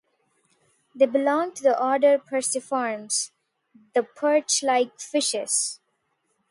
They belong to the order Perciformes, the perch-like fishes.